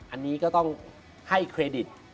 อันนี้ก็ต้องให้เครดิต